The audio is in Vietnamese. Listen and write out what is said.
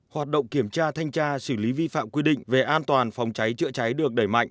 hoạt động kiểm tra thanh tra xử lý vi phạm quy định về an toàn phòng cháy chữa cháy được đẩy mạnh